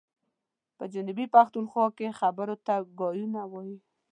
په جنوبي پښتونخوا کي خبرو ته ګايونه وايي.